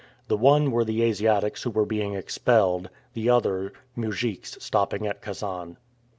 The one were the Asiatics who were being expelled; the other, mujiks stopping at Kasan.